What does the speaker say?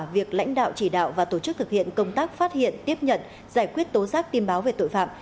việc lãnh đạo chỉ đạo và tổ chức thực hiện công tác phát hiện tiếp nhận giải quyết tố giác tin báo về tội phạm